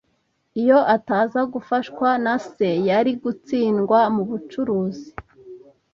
Iyo ataza gufashwa na se, yari gutsindwa mubucuruzi.